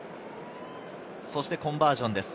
そしてコンバージョンです。